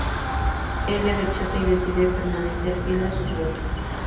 Él le rechaza y decide permanecer fiel a sus votos.